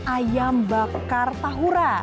ayam bakar tahura